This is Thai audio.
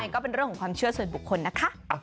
ก็เป็นเรื่องของความเชื่อส่วนบุคคลนะคะ